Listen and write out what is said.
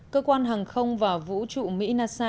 cơ quan hàng không và vũ trụ mỹ nasa